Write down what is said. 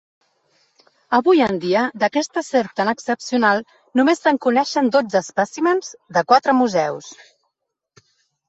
Avui en dia, d'aquesta serp tan excepcional només se'n coneixen dotze espècimens de quatre museus.